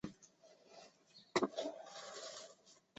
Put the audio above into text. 该部的职责是制定财政政策及准备财政预算案。